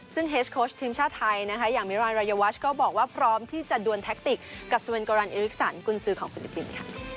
ซึ่งเฮสโค้ชทีมชาติไทยนะคะอย่างมิรานรายวัชก็บอกว่าพร้อมที่จะดวนแท็กติกกับสเวนโกรันเอริกสันกุญสือของฟิลิปปินส์